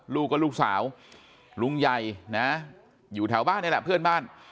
ลูกก็ลูกสาวลุงใหญ่นะอยู่แถวบ้านนี่แหละเพื่อนบ้าน